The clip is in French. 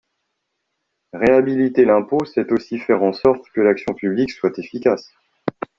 Réhabiliter l’impôt, c’est aussi faire en sorte que l’action publique soit efficace.